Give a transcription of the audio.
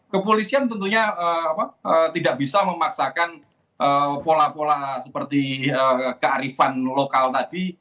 kepolisian tentunya tidak bisa memaksakan pola pola seperti kearifan lokal tadi